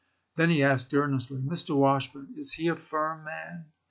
Then he asked earnestly, ' Mr. Washburne, is he a firm man?'